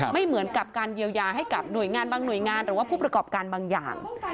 เหมือนกับการเยียวยาให้กับหน่วยงานบางหน่วยงานหรือว่าผู้ประกอบการบางอย่าง